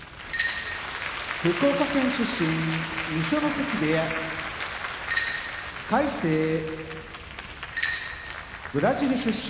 福岡県出身二所ノ関部屋魁聖ブラジル出身友綱部屋